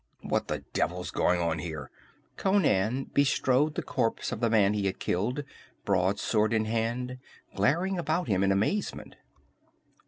"What the devil's going on here?" Conan bestrode the corpse of the man he had killed, broadsword in hand, glaring about him in amazement.